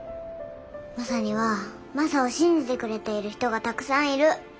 マサにはマサを信じてくれている人がたくさんいる。